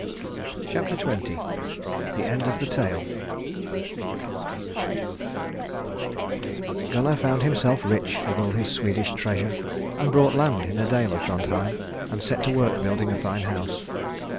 CHAPTER XX THE END OF THE TALE Gunnar found himself rich with all his Swedish treasure, and bought land in a dale of Drontheim, and set to work building a fine house.